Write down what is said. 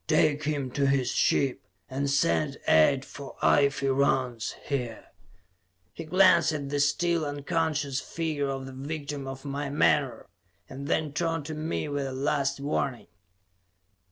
"Take him to his ship, and send aid for Ife Rance, here." He glanced at the still unconscious figure of the victim of my menore, and then turned to me with a last warning.